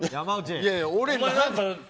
いやいや、俺。